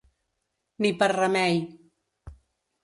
Ni per remei.